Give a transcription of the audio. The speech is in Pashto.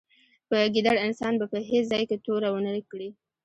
په ګیدړ انسان به په هېڅ ځای کې توره و نه کړې.